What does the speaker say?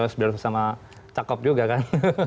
bisa bersama cakep juga kan